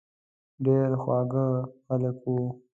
ډېر خواږه خلک وو.